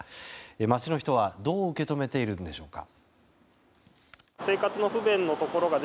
街の人はどう受け止めているんでしょうか。